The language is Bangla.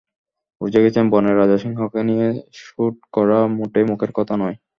বুঝে গেছেন, বনের রাজা সিংহকে নিয়ে শ্যুট করা মোটেই মুখের কথা নয়।